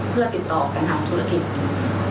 เพื่อติดต่อกันถ้าง้าธุรกิจ